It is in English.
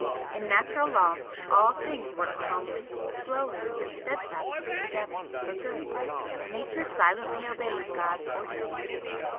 In Natural Law, all things work calmly, slowly and steadfastly together for good Nature silently obeys God's ordinance.